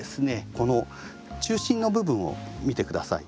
この中心の部分を見て下さい。